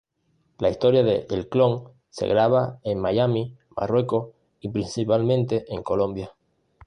La historia de "El clon" se graba en Miami, Marruecos y principalmente en Colombia.